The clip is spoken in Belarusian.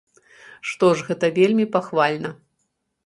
Што ж, гэта вельмі пахвальна.